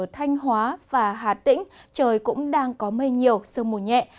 thành hóa và hà tĩnh trời cũng đang có mây nhiều sơ mù nhẹ